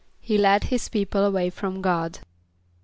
=He led his people away from God.